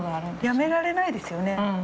やめられないですよね？